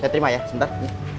saya terima ya sebentar